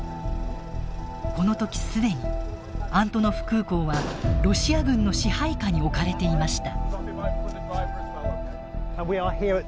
この時既にアントノフ空港はロシア軍の支配下に置かれていました。